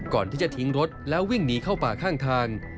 ก่อนที่จะทิ้งรถแล้ววิ่งหนีเข้าป่าข้างทาง